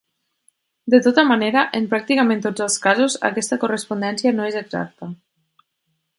De tota manera, en pràcticament tots els casos, aquesta correspondència no és exacta.